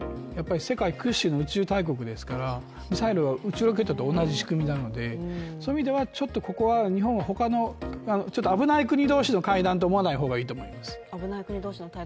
世界屈指の宇宙大国ですからミサイルは宇宙ロケットと同じ仕組みなのでそういう意味ではちょっとここは日本は危ない国同士の会談と思わない方がいいと思います。